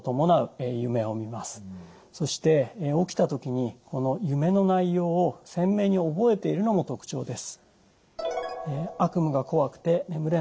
そして起きた時に夢の内容を鮮明に覚えているのも特徴です。